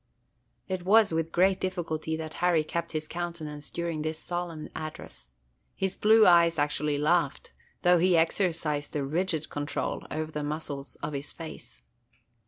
It was with great difficulty that Harry kept his countenance during this solemn address. His blue eyes actually laughed, though he exercised a rigid control over the muscles of his face.